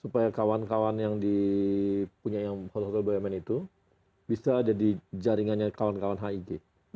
supaya kawan kawan yang punya hotel hotel bumn itu bisa jadi jaringannya kawan kawan hig